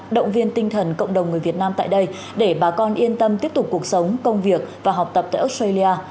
động viên tinh thần cộng đồng người việt nam tại đây để bà con yên tâm tiếp tục cuộc sống công việc và học tập tại australia